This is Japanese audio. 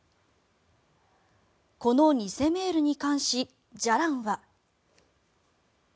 この偽メールに関しじゃらんは。